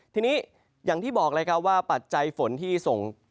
ทีนี้อย่างที่บอกเลยครับว่าปัจจัยฝนที่ส่ง